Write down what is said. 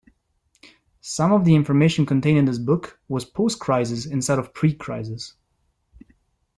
Some of the information contained in this book was post-"Crisis" instead of pre-"Crisis".